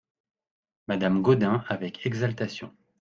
Madame Gaudin avec exaltation.